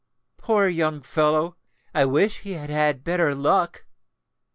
Poor young fellow—I wish he had had better luck!